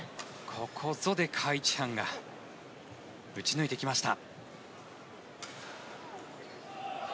ここぞでカ・イチハンが打ち抜いてきました。